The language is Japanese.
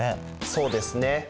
そうですね。